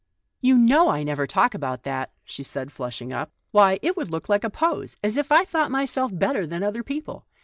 " You know I never talk about that," she said, flushing up. " Why, it would look like a pose — as if I thought myself better than other people.